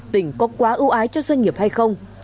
tỉnh có quá ưu ái cho doanh nghiệp hay không